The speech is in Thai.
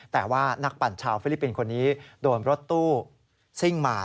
แต่ว่านักปั่นชาวฟิลิปปินส์คนนี้โดนรถตู้ซิ่งมา